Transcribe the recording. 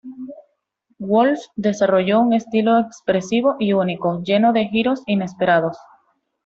Wolff desarrolló un estilo expresivo y único, lleno de giros inesperados.